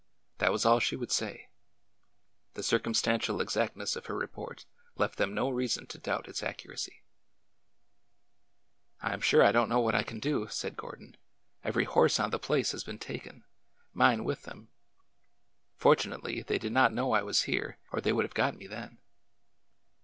That was all she would say. The circumstantial exactness of her report left them no reason to doubt its accuracy. A DARK NIGHTS RIDE 233 " I am sure I don't know what I can do," said Gordom Every horse on the place has been taken— mine with them. Fortunately, they did not know I was here, or they would have got me then."